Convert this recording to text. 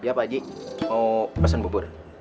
ya pak ji mau pesen bubur